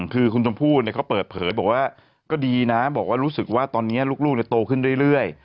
คือคุณชมพู่เขาเปิดเผยบอกว่าก็ดีนะบอกว่ารู้สึกว่าตอนนี้ลูกโตขึ้นเรื่อย